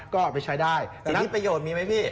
ก็เอาไปใช้ได้อันนี้ประโยชน์มีไหมพี่